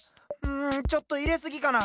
んちょっといれすぎかなあ。